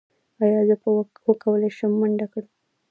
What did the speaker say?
ایا زه به وکولی شم منډه کړم؟